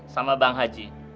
sama bang haji